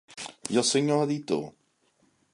I el senyor editor?